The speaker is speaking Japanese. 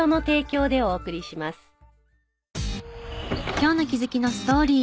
今日の気づきのストーリー。